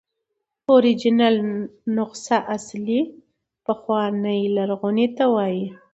اوریجنل نسخه اصلي، پخوانۍ، لرغوني ته وایي.